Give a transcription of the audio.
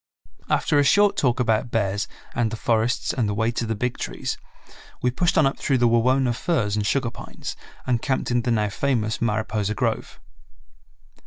After a short talk about bears and the forests and the way to the Big Trees, we pushed on up through the Wawona firs and sugar pines, and camped in the now famous Mariposa grove.